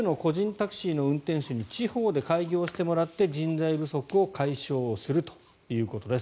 タクシーの運転手に地方で開業してもらって人材不足を解消するということです。